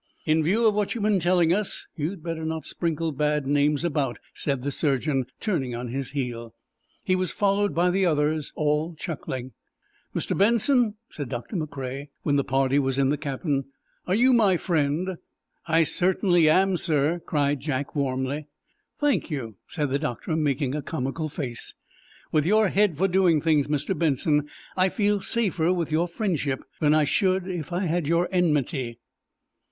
"In view of what you've been telling us, you'd better not sprinkle bad names about," said the surgeon, turning on his heel. He was followed by the others, all chuckling. "Mr. Benson," said Doctor McCrea, when the party was in the cabin, "are you my friend?" "I certainly am, sir," cried Jack warmly. "Thank you," said the doctor, making a comical face. "With your head for doing things, Mr. Benson, I feel safer with your friendship than I should if I had your enmity."